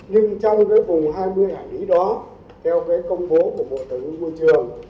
nhưng trong vùng hai mươi hải lý đó theo công bố của bộ tổng thống nguyên trường